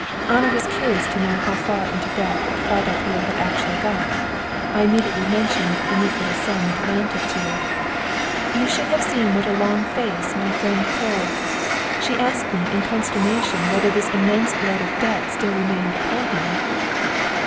"' "Anna was curious to know how far into debt Kvatopil had actually got. I immediately mentioned the neat little sum it amounted to. "You should have seen what a long face my friend pulled. "She asked me in consternation whether this immense load of debt still remained upon him.